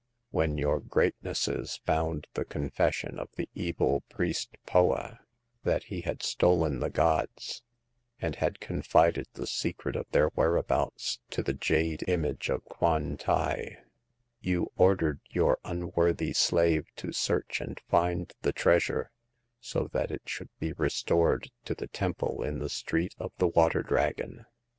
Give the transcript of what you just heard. When your greatnesses found the confession of the evil priest Poa that he had stolen the gods, and had confided the secret of their whereabouts to the jade image of Kwan tai, you ordered your unworthy slave to search and find the treasure, so that it should be restored to the temple in the Street of the Water Dragon.